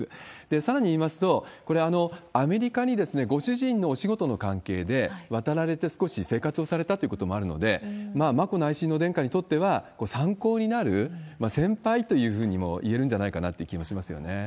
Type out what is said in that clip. さらに言いますと、これ、アメリカにご主人のお仕事の関係で渡られて、少し生活をされたということもあるので、眞子内親王殿下にとっては、参考になる先輩というふうにも言えるんじゃないかなって気もしま